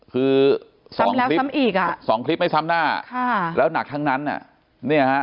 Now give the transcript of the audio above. คือสองคลิปสองคลิปไม่ซ้ำหน้าแล้วหนักทั้งนั้นน่ะนี่ฮะ